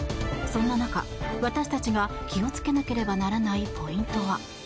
そんな中、私たちが気をつけなければならないポイントとは。